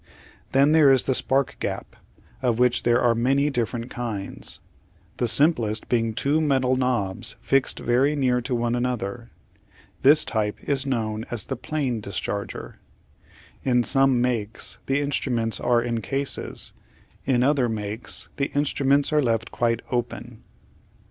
Then there is the spark gap, of which there are many different kinds, the simplest being two metal knobs fixed very near to one another. This type is known as the plain discharger. In some makes the 834 The Outline of Science instruments are in cases, in other makes the instruments are left quite open.